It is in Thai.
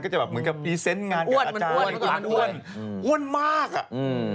ก็จะแบบเหมือนกับพรีเซนต์งานกับอาจารย์อ้วนมากอ่ะน่ารักมาก